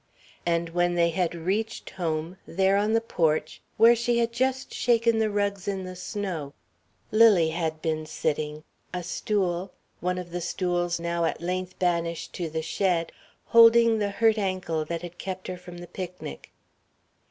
And when they had reached home, there on the porch where she had just shaken the rugs in the snow Lily had been sitting, a stool one of the stools now at length banished to the shed holding the hurt ankle that had kept her from the picnic.